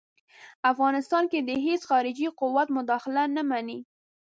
افغانستان کې د هیڅ خارجي قوت مداخله نه مني.